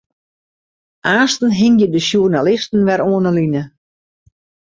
Aansten hingje de sjoernalisten wer oan 'e line.